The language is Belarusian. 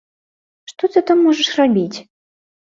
Што ты там можаш рабіць?